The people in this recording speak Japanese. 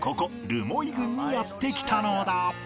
留萌郡にやって来たのだ